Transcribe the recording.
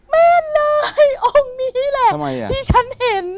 แม่นายองค์นี้แหละที่ฉันเห็น